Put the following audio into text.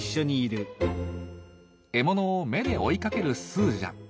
獲物を目で追いかけるスージャ。